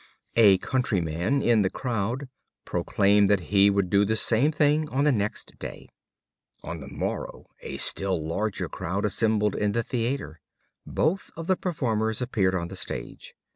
A countryman in the crowd proclaimed that he would do the same thing on the next day. On the morrow a still larger crowd assembled in the theater. Both of the performers appeared on the stage.